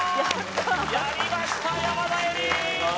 やりました山田恵里